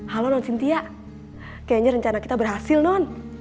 halo non cynthia kayaknya rencana kita berhasil non